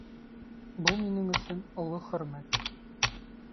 Был минең өсөн оло хөрмәт